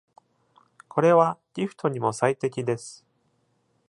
これは、ギフトにも最適です。